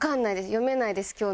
読めないです今日の。